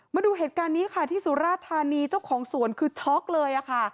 มาดูเหตุการณ์นี้ค่ะที่สุราธานีเจ้าของสวนคือช็อกเลยค่ะ